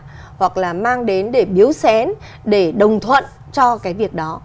lại quả hoặc là mang đến để biếu xén để đồng thuận cho cái việc đó